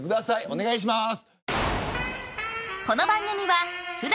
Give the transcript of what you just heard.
お願いします